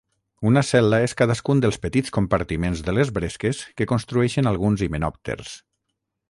Una cel·la és cadascun dels petits compartiments de les bresques que construeixen alguns himenòpters.